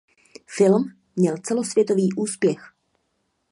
Film měl celosvětový úspěch.